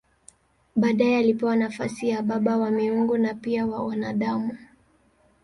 Baadaye alipewa nafasi ya baba wa miungu na pia wa wanadamu.